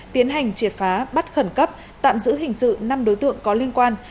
tiến hành triệt phá bắt khẩn cấp tạm giữ hình sự năm đối tượng có liên quan